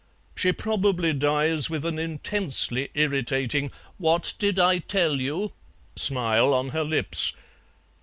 She probably dies with an intensely irritating 'what did I tell you' smile on her lips.